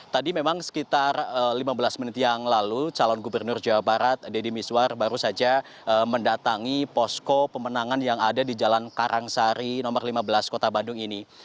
tadi memang sekitar lima belas menit yang lalu calon gubernur jawa barat deddy miswar baru saja mendatangi posko pemenangan yang ada di jalan karangsari nomor lima belas kota bandung ini